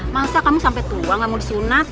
masa kamu sampai tua gak mau disunat